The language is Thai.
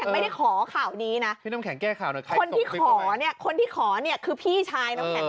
พี่เมิ้วต์เรียกให้เรียน